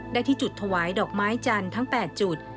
ได้ที่จุดถวายดอกไม้จันทร์ทั้ง๘จุด